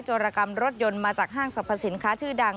จรกรรมรถยนต์มาจากห้างสรรพสินค้าชื่อดัง